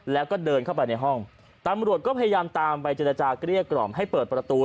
แล้วก็เดินเข้าไปในห้องตำรวจก็พยายามตามไปเจรจาเกลี้ยกล่อมให้เปิดประตู